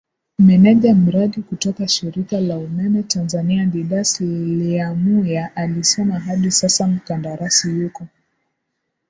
meneja mradi kutoka shirika la umeme Tanzania Didas Lyamuya alisema hadi Sasa mkandarasi Yuko